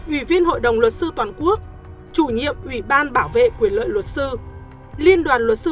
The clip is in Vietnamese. ủy viên hội đồng luật sư toàn quốc chủ nhiệm ủy ban bảo vệ quyền lợi luật sư liên đoàn luật sư